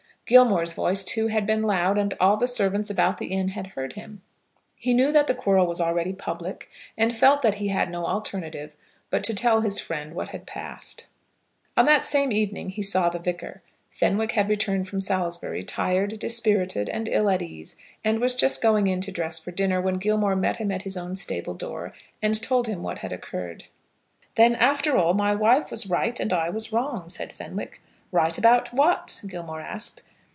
Gilmore's voice, too, had been loud, and all the servants about the inn had heard him. He knew that the quarrel was already public, and felt that he had no alternative but to tell his friend what had passed. [Illustration: "Who are you, sir, that you should interpret my words?"] On that same evening he saw the Vicar. Fenwick had returned from Salisbury, tired, dispirited, and ill at ease, and was just going in to dress for dinner, when Gilmore met him at his own stable door, and told him what had occurred. "Then, after all, my wife was right and I was wrong," said Fenwick. "Right about what?" Gilmore asked.